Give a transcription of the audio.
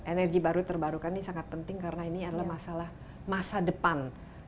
energi baru terbarukan ini sangat penting karena ini adalah masalah masa depan